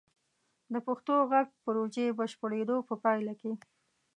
د پښتو غږ پروژې بشپړیدو په پایله کې: